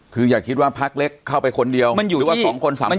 คืออย่าคิดว่าภาคเล็กเข้าไปคนเดียวหรือว่า๒๓คนก็ทำอะไรไม่ได้